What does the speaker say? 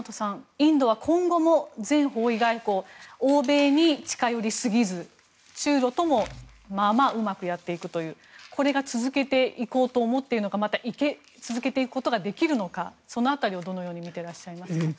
インドは今後も全方位外交欧米に近寄りすぎず、中ロともまあまあうまくやっていくというこれが続けていこうと思っているのかまた続けていくことができるのかその辺りをどのように見ていらっしゃいますか。